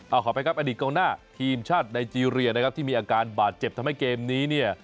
เอาขอไปครับอดีตกองหน้าทีมชาติไนเจรียนะครับที่มีอาการบาดเจ็บทำให้เกมนี้เนี่ย